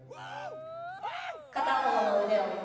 片方の腕を横に。